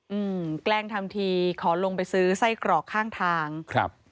แกล้งทำทีขอลงไปซื้อไส้กรอกข้างทางครับ